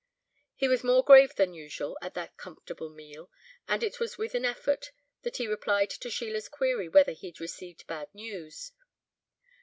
He was more grave than usual at that comfortable meal, and it was with an effort that he replied to Sheila's query whether he'd received bad news.